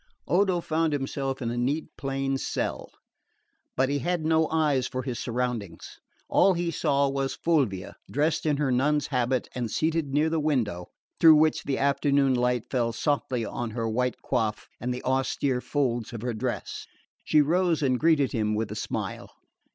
Odo found himself in a neat plain cell; but he had no eyes for his surroundings. All that he saw was Fulvia, dressed in her nun's habit and seated near the window, through which the afternoon light fell softly on her white coif and the austere folds of her dress. She rose and greeted him with a smile.